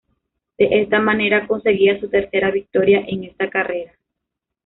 De esta manera, conseguía su tercera victoria en esta carrera.